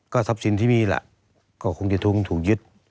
ทรัพย์สินที่มีล่ะก็คงจะถูกยึด